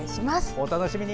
お楽しみに。